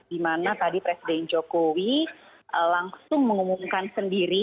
di mana tadi presiden jokowi langsung mengumumkan sendiri